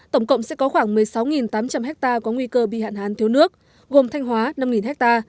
tổng cộng sẽ có khoảng một mươi sáu tám trăm linh ha có nguy cơ bị hạn hán thiếu nước gồm thanh hóa năm ha